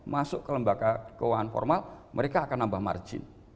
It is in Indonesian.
masuk ke lembaga keuangan formal mereka akan nambah margin